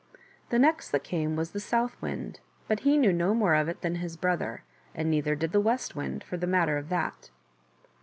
The next that came was the South Wind, but he knew no more of it than his brother, and neither did the West Wind for the matter of that.